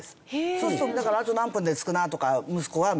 そうするとあと何分で着くなとか息子は見られる。